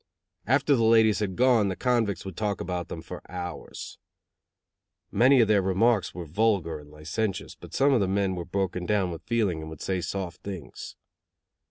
After the ladies had gone the convicts would talk about them for hours. Many of their remarks were vulgar and licentious, but some of the men were broken down with feeling and would say soft things.